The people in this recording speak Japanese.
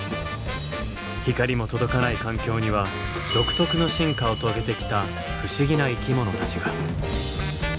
光も届かない環境には独特の進化を遂げてきた不思議な生き物たちが。